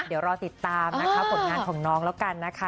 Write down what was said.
เดี๋ยวรอติดตามนะคะผลงานของน้องแล้วกันนะคะ